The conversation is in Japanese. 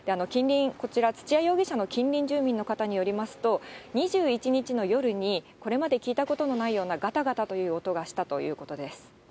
こちら、土屋容疑者の近隣住民の方によりますと、２１日の夜に、これまで聞いたことのないような、がたがたという音がしたということです。